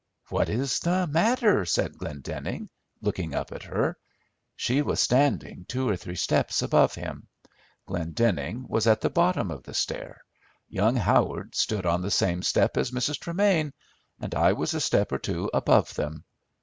"What is the matter?" said Glendenning, looking up at her. She was standing two or three steps above him; Glendenning was at the bottom of the stair; young Howard stood on the same step as Mrs. Tremain, and I was a step or two above them.